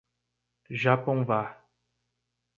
Japonvar